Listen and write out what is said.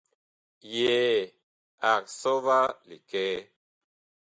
Yɛɛ ag sɔ va likɛɛ.